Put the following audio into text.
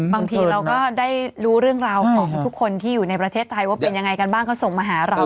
บางทีเราก็ได้รู้เรื่องราวของทุกคนที่อยู่ในประเทศไทยว่าเป็นยังไงกันบ้างเขาส่งมาหาเรา